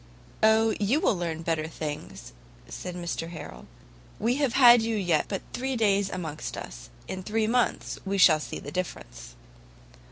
"Oh, you will learn better things," said Mr Harrel; "we have had you yet but three days amongst us, in three months we shall see the difference."